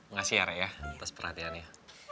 ngasih ya rek ya atas perhatiannya